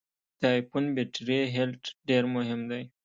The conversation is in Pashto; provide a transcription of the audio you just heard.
د ای فون بټري هلټ ډېر مهم دی.